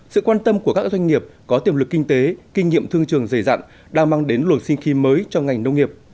sự quan tâm của các doanh nghiệp có tiềm lực kinh tế kinh nghiệm thương trường dày dặn đang mang đến luồng sinh khí mới cho ngành nông nghiệp